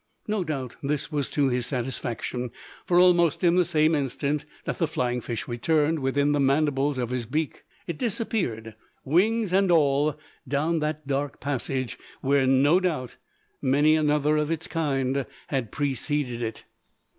No doubt this was to his satisfaction, for almost in the same instant that the flying fish returned within the mandibles of his beak it disappeared, wings and all, down that dark passage, where, no doubt, many another of its kind had preceded it.